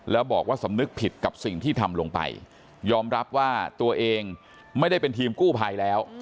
แล้วบอกว่าสำนึกผิดกับสิ่งที่ทำลงไปยอมรับว่าตัวเองไม่ได้เป็นทีมกู้ภัยแล้ว